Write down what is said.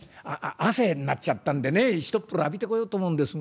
汗になっちゃったんでね一風呂浴びてこようと思うんですが」。